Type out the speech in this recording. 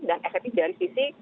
dan efektif dari sisi